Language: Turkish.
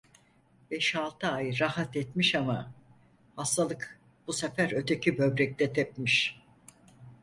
Beş altı ay rahat etmiş ama, hastalık bu sefer öteki böbrekte tepmiş.